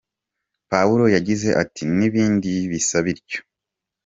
Pawulo yagize ati: "N’ibindi bisa bityo".